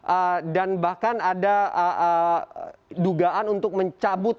eh dan bahkan ada eh eh dugaan untuk mencabut